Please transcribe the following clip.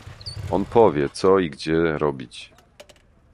"On powie, co i gdzie robić."